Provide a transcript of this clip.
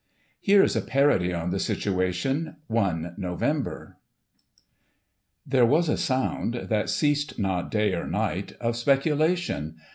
Here is a Parody on the situation, i Nov. :There was a sound, that ceased not day or night, Of speculation.